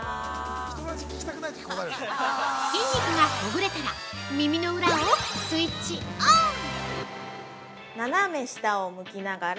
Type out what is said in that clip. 筋肉がほぐれたら耳の裏をスイッチオン！